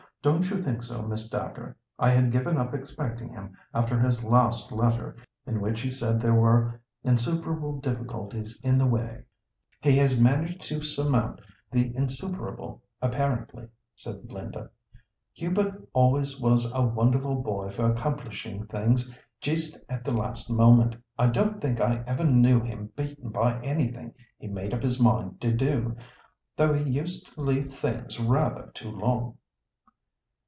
Don't you think so, Miss Dacre? I had given up expecting him after his last letter, in which he said there were insuperable difficulties in the way." "He has managed to surmount the insuperable apparently," said Linda. "Hubert always was a wonderful boy for accomplishing things just at the last moment. I don't think I ever knew him beaten by anything he made up his mind to do, though he used to leave things rather too long."